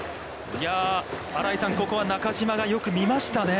新井さん、ここは中島がよく見ましたね。